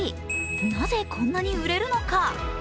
なぜこんなに売れるのか？